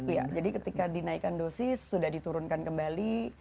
iya jadi ketika dinaikkan dosis sudah diturunkan kembali